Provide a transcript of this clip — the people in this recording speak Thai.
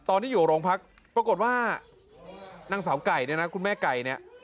ตอนที่อยู่โรงพักปรากฏว่านางสาวไก่เนี่ยนะคุณแม่ไก่เนี่ย